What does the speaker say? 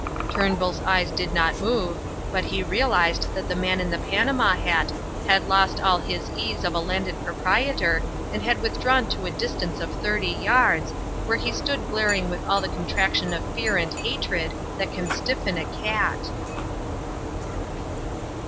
Turnbull's eyes did not move, but he realized that the man in the panama hat had lost all his ease of a landed proprietor and had withdrawn to a distance of thirty yards, where he stood glaring with all the contraction of fear and hatred that can stiffen a cat.